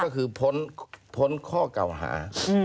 ก็คือพ้นข้อเก่าหา